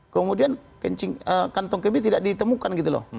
kemudian kantong kemi tidak ditemukan